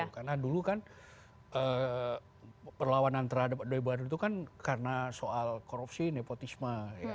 karena dulu kan perlawanan terhadap dewi bawang itu kan karena soal korupsi nepotisme